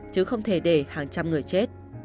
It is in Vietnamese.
chứ không thể để hàng trăm người chết